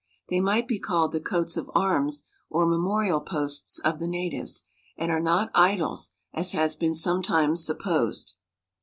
They might be called the coats of arms or memorial posts of the natives, and are not idols, as has been sometimes supposed.